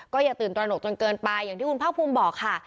อย่าตื่นตระหนกจนเกินไปอย่างที่คุณภาคภูมิบอกค่ะ